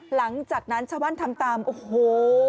หลังจากนั้นชาวบ้านทำตามโอ้โห